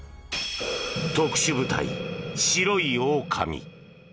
特殊部隊白いオオカミ。